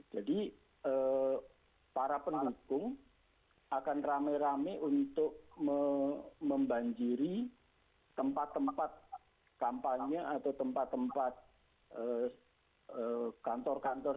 jadi para pendukung akan rame rame untuk membanjiri tempat tempat kampanye atau tempat tempat kantor kantor